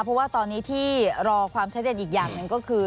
เพราะว่าตอนนี้ที่รอความชัดเจนอีกอย่างหนึ่งก็คือ